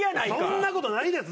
そんなことないです